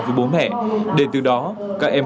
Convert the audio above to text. với bố mẹ để từ đó các em